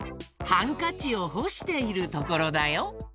ハンカチをほしているところだよ。